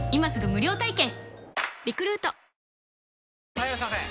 ・はいいらっしゃいませ！